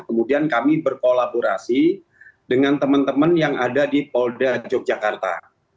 kemudian kami berkolaborasi dengan teman teman yang ada di polda yogyakarta